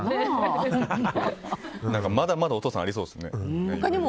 まだまだお父さんありそうですね。